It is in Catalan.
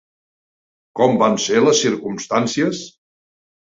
Com van ser les circumstàncies?